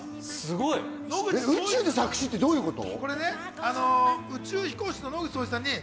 宇宙で作詞ってどういうこと？